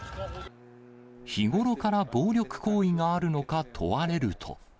日頃から暴力行為があるのか問われると。